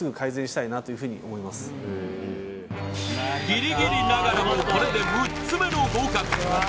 ギリギリながらもこれで６つ目の合格